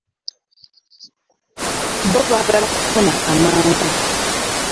Bo baagala kufuna amangu!